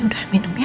udah minum ya